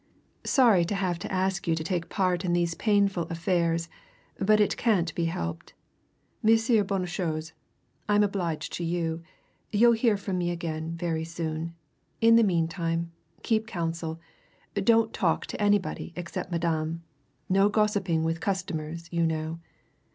"Sorry to have to ask you to take part in these painful affairs, but it can't be helped. M. Bonnechose, I'm obliged to you you'll hear from me again very soon. In the meantime, keep counsel don't talk to anybody except Madame no gossiping with customers, you know.